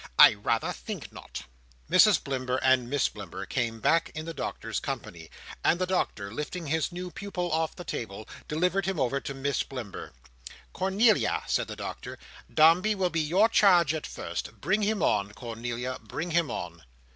I rather think not." Mrs Blimber and Miss Blimber came back in the Doctor's company; and the Doctor, lifting his new pupil off the table, delivered him over to Miss Blimber. "Cornelia," said the Doctor, "Dombey will be your charge at first. Bring him on, Cornelia, bring him on."